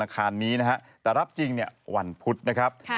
แต่รับจริงเนี่ยวันพุธนะครับ